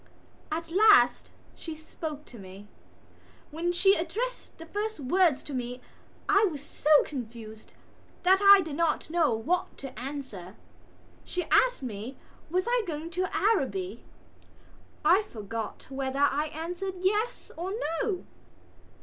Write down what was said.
At last she spoke to me. When she addressed the first words to me I was so confused that I did not know what to answer. She asked me was I going to Araby. I forgot whether I answered yes or no.